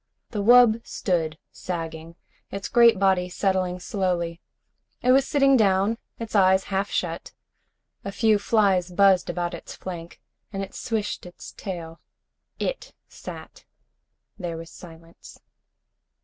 The wub stood sagging, its great body settling slowly. It was sitting down, its eyes half shut. A few flies buzzed about its flank, and it switched its tail. It sat. There was silence.